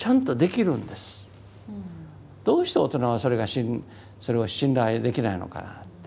うん。どうして大人はそれがそれを信頼できないのかなって。